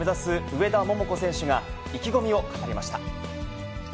上田桃子選手が、意気込みを語りまし